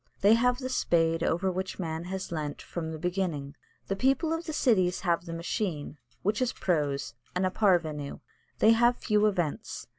They have the spade over which man has leant from the beginning. The people of the cities have the machine, which is prose and a parvenu. They have few events.